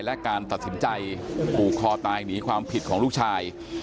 และการตัดสินใจผูกคอตายหนีความผิดของลูกชาย